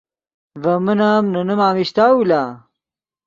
ڤے من ام نے نیم امیشتاؤ لا